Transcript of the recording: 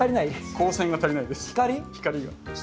光線が足りないです。